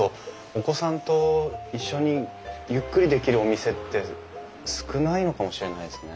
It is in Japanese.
お子さんと一緒にゆっくりできるお店って少ないのかもしれないですね。